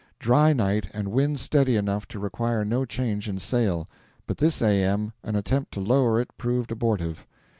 Dry night and wind steady enough to require no change in sail; but this A.M. an attempt to lower it proved abortive.